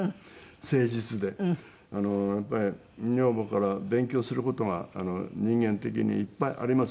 やっぱり女房から勉強する事が人間的にいっぱいありますね。